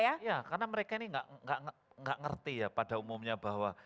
iya karena mereka ini nggak ngerti ya pada umumnya bahwa